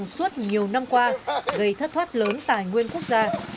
suốt nhiều năm qua gây thất thoát lớn tài nguyên quốc gia